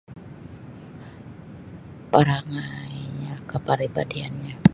Parangainyo kaparibadianyo.